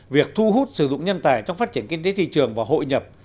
việc thu hút sử dụng nhân tài trong phát triển kinh tế thị trường và hội nhập